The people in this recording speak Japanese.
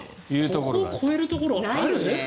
ここを超えるところある？